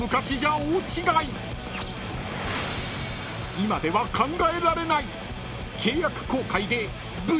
［今では考えられない！］